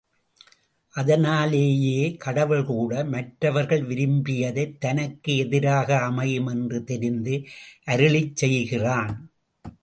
அதனாலேயே கடவுள் கூட மற்றவர்கள் விரும்பியதைத் தனக்கு எதிராக அமையும் என்று தெரிந்து அருளிச்செய்கிறான்.